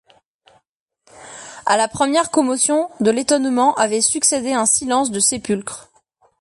À la première commotion de l’étonnement avait succédé un silence de sépulcre.